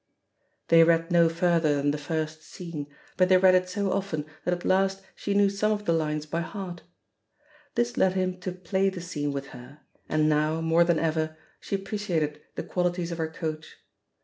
They read no further than the first scene, but THE POSITION OP PEGGY HARPER 245 fhey read it so often that at last she knew some of the lines by heart. This led him to play the seene with her, and now, more than ever, she appreciated the qualities of her coach.